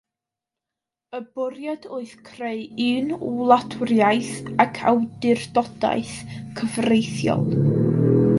Y bwriad oedd creu un wladwriaeth ac awdurdodaeth cyfreithiol.